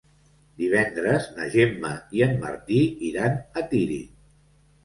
Divendres na Gemma i en Martí iran a Tírig.